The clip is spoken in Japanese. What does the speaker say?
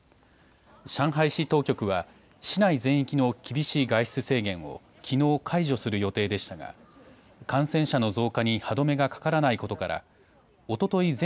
上海市当局は市内全域の厳しい外出制限を、きのう解除する予定でしたが感染者の増加に歯止めがかからないことからおととい